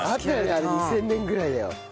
あれ２０００年ぐらいだよ。